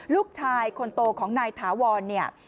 ลูกชายคนโตของนายถาวรเนี่ย